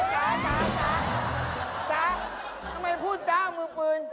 จ๊ะทำไมพูดจ๊ะมือปืน